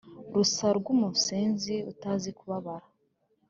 Rusa rw'umusenzi utazi kubara